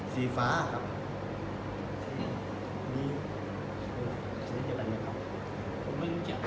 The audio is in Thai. สีฟ้าครับ